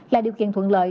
là điều kiện thuận lợi